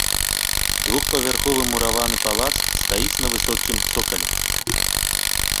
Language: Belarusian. Двухпавярховы мураваны палац стаіць на высокім цокалі.